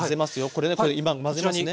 これね今混ぜますね。